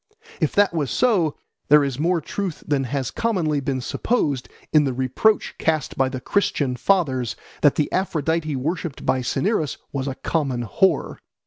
If that was so, there is more truth than has commonly been supposed in the reproach cast by the Christian fathers that the Aphrodite worshipped by Cinyras was a common whore.